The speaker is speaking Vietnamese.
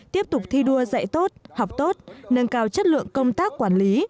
tiếp tục thi đua dạy tốt học tốt nâng cao chất lượng công tác quản lý